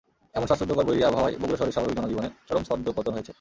এমন শ্বাসরুদ্ধকর বৈরী আবহাওয়ায় বগুড়া শহরের স্বাভাবিক জনজীবনে চরম ছদ্মপতন ঘটেছে।